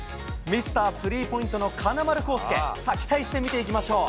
ミスター、スリーポイントの金丸晃輔、期待して見ていきましょう。